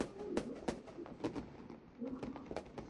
其他演绎推理的替代者包括归纳推理和逆推推理。